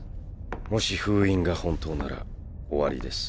もし封印が本当なら終わりです。